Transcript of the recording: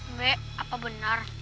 mbak apa benar